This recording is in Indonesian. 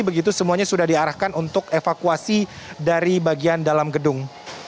begitu semuanya sudah diarahkan untuk evakuasi dari bagian dalam gedung